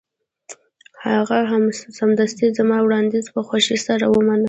هغه سمدستي زما وړاندیز په خوښۍ سره ومانه